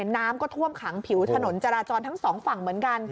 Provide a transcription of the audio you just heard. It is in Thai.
น้ำก็ท่วมขังผิวถนนจราจรทั้งสองฝั่งเหมือนกัน